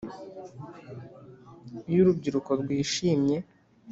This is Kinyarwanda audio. iyo urubyiruko rwishimye!